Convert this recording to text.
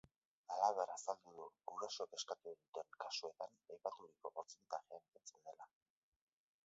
Halaber, azaldu du gurasoen eskatu duten kasuetan aipaturiko portzentajea betetzen dela.